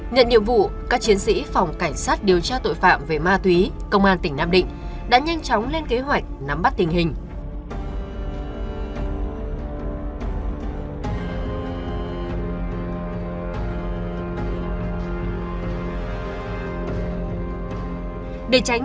nhận nhiệm vụ các chiến sĩ phòng cảnh sát điều tra tội phạm về ma túy công an tỉnh nam định đã nhanh chóng lên kế hoạch nắm bắt tình hình